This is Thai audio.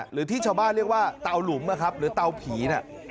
หรือที่ชาวบ้านเรียกว่าเตาหลุมนะครับหรือเตาผีน่ะ